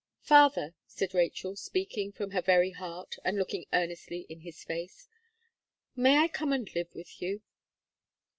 "Father," said Rachel, speaking from her very heart, and looking earnestly in his face, "may I come and live with you?"